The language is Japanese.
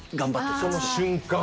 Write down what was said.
その瞬間。